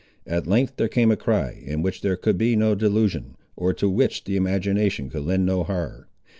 At length there came a cry, in which there could be no delusion, or to which the imagination could lend no horror.